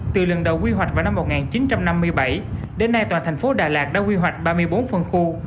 từ lần đầu quy hoạch vào năm một nghìn chín trăm năm mươi bảy đến nay toàn thành phố đà lạt đã quy hoạch ba mươi bốn phân khu